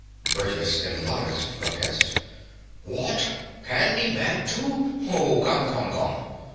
BURGESS (in loudest protest). Wot! Candy mad too! Oh, come, come, come!